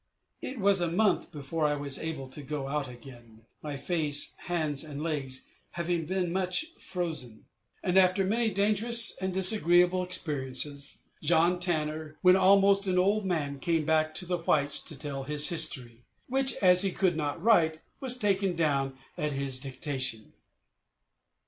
It was a month before I was able to go out again, my face, hands, and legs having been much frozen. After many dangerous and disagreeable experiences, John Tanner, when almost an old man, came back to the whites to tell his history, which, as he could not write, was taken down at his dictation.